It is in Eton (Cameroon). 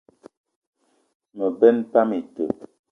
Me benn pam ite.